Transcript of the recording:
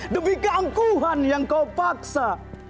demi keangkuhan yang kau paksa